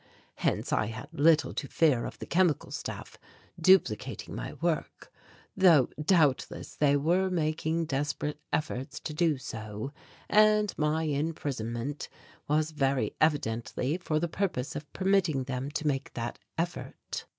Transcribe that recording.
Hence I had little to fear of the Chemical Staff duplicating my work, though doubtless they were making desperate efforts to do so, and my imprisonment was very evidently for the purpose of permitting them to make that effort.